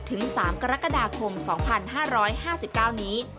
ถึง๓กรกฎาคม๒๕๕๙นี้